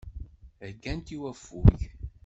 Heggant i waffug.